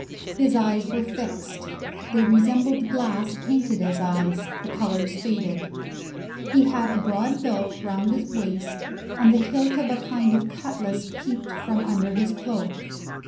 His eyes were fixed; they resembled glass painted as eyes, the colours faded. He had a broad belt round his waist, and the hilt of a kind of cutlass peeped from under his cloak.